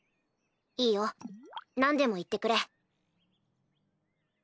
いいよ何でも言ってくれ。